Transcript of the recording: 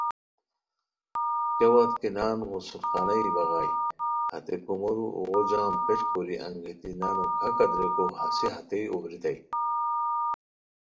کیہ وت کی نان غسل خانائی بغائے ہتے کومورو اوغو جم پیݯ کوری انگیتی نانو کھاکہ دریکو ہسے ہتئے اوبیریتائے